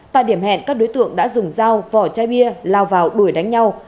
tại điểm hẹn các đối tượng đã dùng dao vỏ chai bia lao vào đuổi đánh nhau